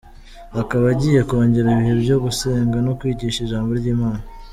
Akaba agiye kongera ibihe byo gusenga no kwigisha ijambo ry’Imana .